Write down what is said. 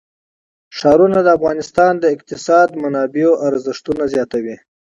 ښارونه د افغانستان د اقتصادي منابعو ارزښت زیاتوي.